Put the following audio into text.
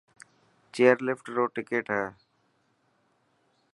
چيئرلفٽ روڪ ٽڪٽ هي.